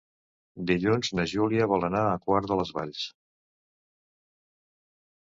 Dilluns na Júlia vol anar a Quart de les Valls.